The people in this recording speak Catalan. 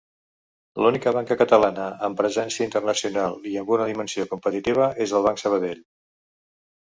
L'única banca catalana amb presència internacional i amb una dimensió competitiva, és el Banc Sabadell.